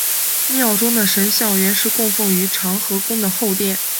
庙中的神像原是供奉于长和宫的后殿。